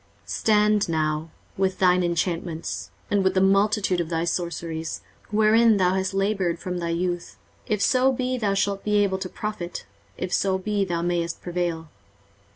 23:047:012 Stand now with thine enchantments, and with the multitude of thy sorceries, wherein thou hast laboured from thy youth; if so be thou shalt be able to profit, if so be thou mayest prevail.